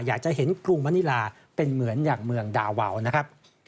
อยากจะเห็นกรุงมณิลาเป็นเหมือนอย่างเมืองดาวาวนะครับ